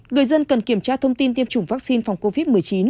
người dân cần kiểm tra thông tin tiêm chủng vaccine phòng covid một mươi chín